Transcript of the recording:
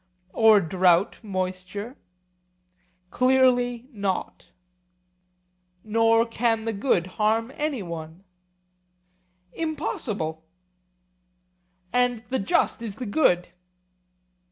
Or drought moisture? Clearly not. Nor can the good harm any one? Impossible. And the just is the good?